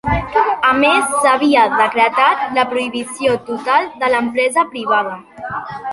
A més, s'havia decretat la prohibició total de l'empresa privada.